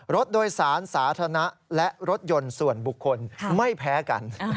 รถโดยสารสาธารณะและรถยนต์ส่วนบุคคลไม่แพ้กัน